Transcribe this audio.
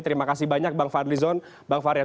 terima kasih banyak bang fadlison bang fahri